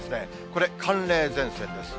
これ、寒冷前線です。